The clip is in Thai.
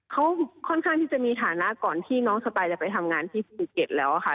เขาค่อนข้างที่จะมีฐานะก่อนที่น้องสปายจะไปทำงานที่ภูเก็ตแล้วค่ะ